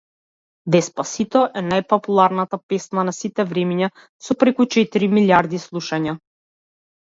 Деспасито е најпопуларната песна на сите времиња, со преку четири милијарди слушања.